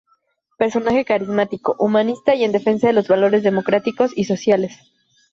Personaje carismático, humanista y en defensa de los valores democráticos y sociales.